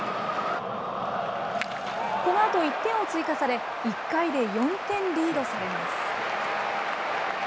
このあと１点を追加され、１回で４点リードされます。